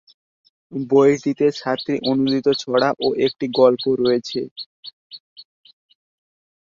বইটিতে সাতটি অনূদিত ছড়া ও একটি গল্প রয়েছে।